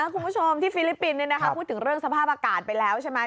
คุณผู้ชมที่ฟิลิปปินส์พูดถึงเรื่องสภาพอากาศไปแล้วใช่ไหม